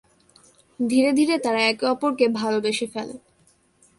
ধীরে ধীরে তারা একে অপরকে ভালবেসে ফেলে।